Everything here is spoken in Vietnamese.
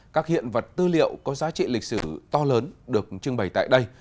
các hiện vật tư liệu có giá trị lịch sử to lớn được trưng bày tại đây